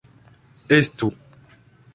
Estu!